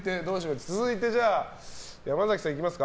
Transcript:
続いて、山崎さんにいきますか。